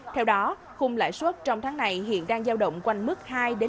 theo đó khung lãi suất trong tháng này hiện đang giao động quanh mức hai năm